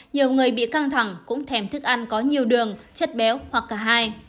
nhiều người bị căng thẳng cũng thèm thức ăn có nhiều đường chất béo hoặc cả hai